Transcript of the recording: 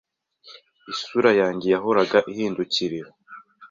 Isura yanjye yahoraga ihindukirira